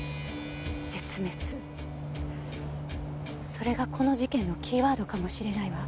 それがこの事件のキーワードかもしれないわ。